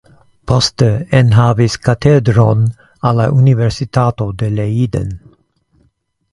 Poste enhavis katedron al la universitato de Leiden.